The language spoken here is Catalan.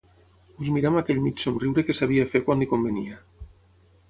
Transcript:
Us mirà amb aquell mig somriure que sabia fer quan li convenia.